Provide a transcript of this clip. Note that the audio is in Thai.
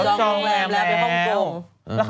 ไปห้องจง